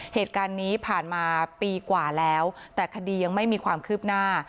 เหตุการณ์นี้ผ่านมาปีกว่าแล้วแต่คดียังไม่มีความคืบหน้า